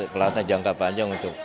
pelatas jangka panjang